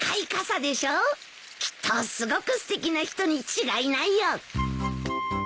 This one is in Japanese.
きっとすごくすてきな人に違いないよ。